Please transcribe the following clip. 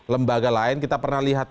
lembaga lain kita pernah lihat